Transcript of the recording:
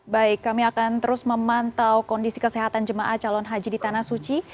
baik kami akan terus memantau kondisi kesehatan jemaah calon haji di tanah suci